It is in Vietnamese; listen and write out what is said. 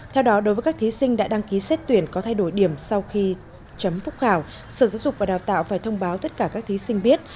theo đó đối với các thí sinh đã đăng ký xét tuyển có thay đổi điểm sau khi chấm phúc khảo sở giáo dục và đào tạo phải thông báo tất cả các thí sinh biết